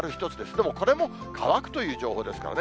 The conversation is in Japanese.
でもこれも乾くという情報ですからね。